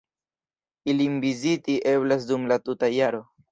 Ilin viziti eblas dum la tuta jaro.